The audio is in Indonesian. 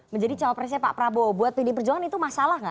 menjadi cowok presnya pak prabowo buat pdi perjuangan itu masalah gak